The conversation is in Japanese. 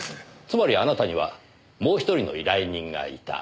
つまりあなたにはもう１人の依頼人がいた。